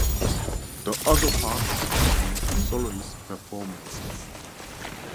The other part of the evening are soloist performances.